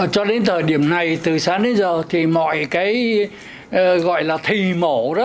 cho đến thời điểm này từ sáng đến giờ thì mọi cái gọi là thị mổ đó